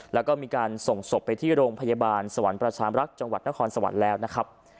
แล้วก็มีการส่งศพไปที่โรงพยาบาลสวรรค์ประชามรักษ์จังหวัดนครสวรรค์แล้วนะครับ